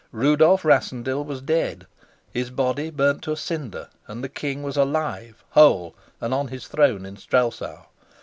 Rudolf Rassendyll was dead, his body burnt to a cinder, and the king was alive, whole, and on his throne in Strelsau.